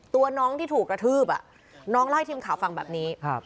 ตัวน้องที่ถูกกระทืบอ่ะน้องเล่าให้ทีมข่าวฟังแบบนี้ครับ